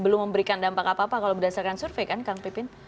belum memberikan dampak apa apa kalau berdasarkan survei kan kang pipin